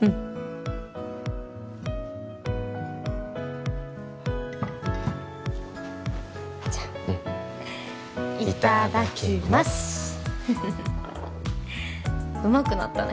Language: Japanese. うんじゃあうんいただきますうまくなったね